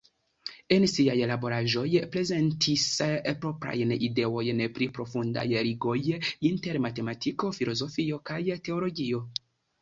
En siaj laboraĵoj prezentis proprajn ideojn pri profundaj ligoj inter matematiko, filozofio kaj teologio.